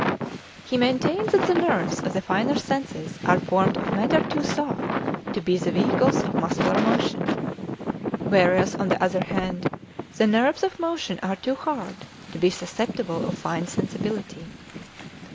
He maintained that the nerves of the finer senses are formed of matter too soft to be the vehicles of muscular motion; whereas, on the other hand, the nerves of motion are too hard to be susceptible of fine sensibility.